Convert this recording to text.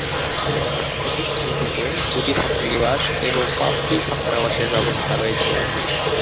প্রতিষ্ঠানটিতে দুইটি ছাত্রীনিবাস এবং পাঁচটি ছাত্রাবাসের ব্যবস্থা রয়েছে।